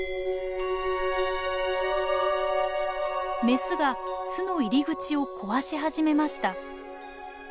メスが巣の入り口を壊し始めました。